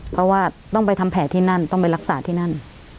เพราะว่าต้องไปทำแผลที่นั่นต้องไปรักษาที่นั่น